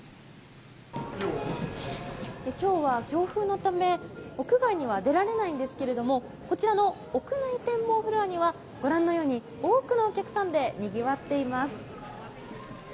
今日は強風のため屋外には出られないですけどこちらの屋内展望フロアにはご覧のように多くのお客さんでにぎわっています。